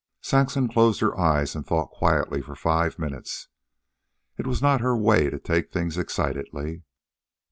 Saxon closed her eyes and thought quietly for five minutes. It was not her way to take things excitedly.